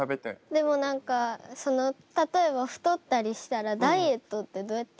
でも何か例えば太ったりしたらダイエットってどうやって？